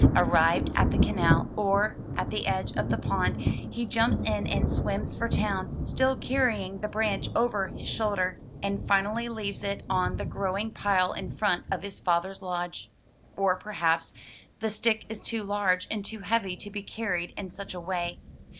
Arrived at the canal or at the edge of the pond, he jumps in and swims for town, still carrying the branch over his shoulder, and finally leaves it on the growing pile in front of his father's lodge. Or perhaps the stick is too large and too heavy to be carried in such a way.